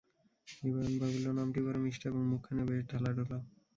নিবারণ ভাবিল, নামটি বড়ো মিষ্ট এবং মুখখানিও বেশ ঢলোঢলো।